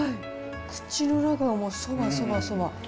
口の中がもうそば、そば、そば。